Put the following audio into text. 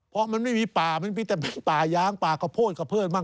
เพราะมันไม่มีป่ามันมีแต่ป่ายางป่ากระโพดกับเพื่อนบ้าง